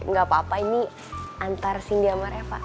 gak apa apa ini antar cindy sama reva